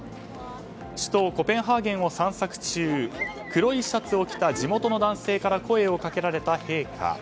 首都コペンハーゲンを散策中黒いシャツを着た地元の男性から声をかけられた陛下。